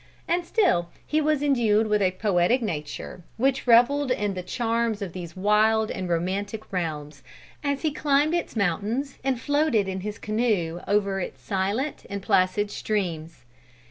And still he was indued with a poetic nature, which reveled in the charms of these wild and romantic realms, as he climbed its mountains and floated in his canoe over its silent and placid streams.